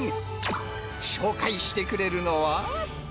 紹介してくれるのは。